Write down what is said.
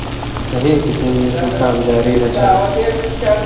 سیں څاں مہ چے اپان٘دُو کر چھی؛ تُس پوژا تھہ نئ یی؟